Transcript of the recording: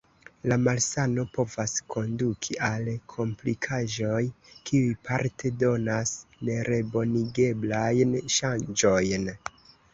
La malsano povas konduki al komplikaĵoj, kiuj parte donas nerebonigeblajn ŝanĝojn.